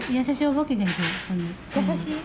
優しい？